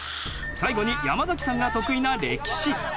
最後に山崎さんが得意な歴史。